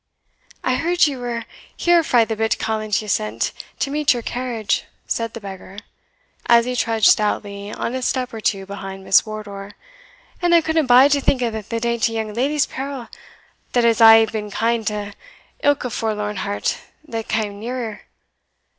"I heard ye were here frae the bit callant ye sent to meet your carriage," said the beggar, as he trudged stoutly on a step or two behind Miss Wardour; "and I couldna bide to think o' the dainty young leddy's peril, that has aye been kind to ilka forlorn heart that cam near her.